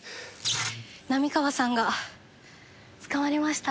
浪川さんが捕まりました。